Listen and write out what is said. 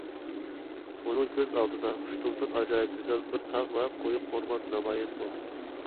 ئۇنىڭ كۆز ئالدىدا ئۇشتۇمتۇت ئاجايىپ گۈزەل بىر تاغ ۋە قويۇق ئورمان نامايان بولدى.